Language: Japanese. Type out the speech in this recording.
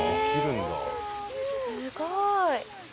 すごい！